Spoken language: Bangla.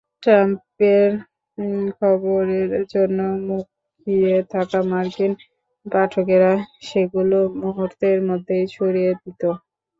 ট্রাম্পের খবরের জন্য মুখিয়ে থাকা মার্কিন পাঠকেরা সেগুলো মুহূর্তের মধ্যেই ছড়িয়ে দিত।